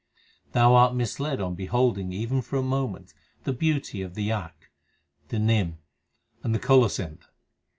Thou art misled on beholding even for a moment the beauty of the akk, the nim, and the colocynth.